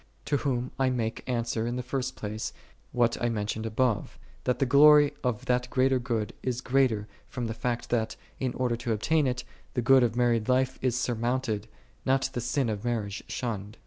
To whom I make answer in the first place, what I mentioned above, that the glory of that greater good is greater from the fact that, in order to obtain it, the good of married life is surmounted, not the sin of marriage shunned.